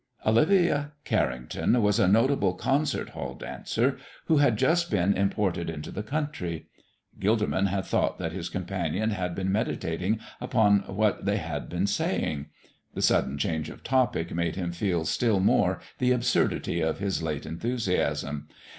Olivia Carrington was a notable concert hall dancer who had just been imported into the country. Gilderman had thought that his companion had been meditating upon what they had been saying. The sudden change of topic made him feel still more the absurdity of his late enthusiasm.